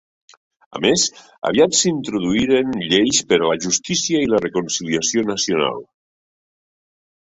A més, aviat s'introduirien lleis per a la justícia i la reconciliació nacional.